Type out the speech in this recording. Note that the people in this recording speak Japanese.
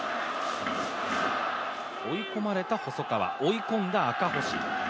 追い込まれた細川追い込んだ赤星。